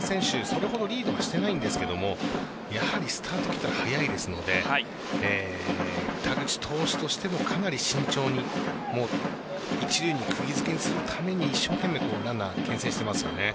それほどリードはしていないんですがスタートを切ったら速いですので田口投手としてもかなり慎重に一塁に釘付けにするために一生懸命、ランナーをけん制していますね。